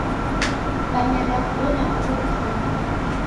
Kukameria kubonya huw'o, kufunge.